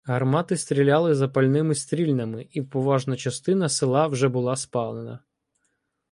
Гармати стріляли запальними стрільнами, і поважна частина села вже була спалена.